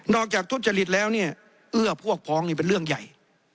จากทุจริตแล้วเนี่ยเอื้อพวกพ้องนี่เป็นเรื่องใหญ่